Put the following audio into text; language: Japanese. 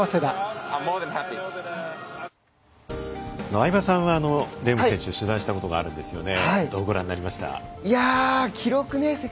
相葉さんはレーム選手取材したことがあるんですよね。